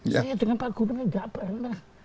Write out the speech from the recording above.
saya dengan pak gubernur tidak pernah